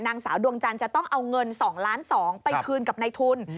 นางสาวดวงจันทร์จะต้องเอาเงิน๒ล้าน๒ไปคืนกับในทุน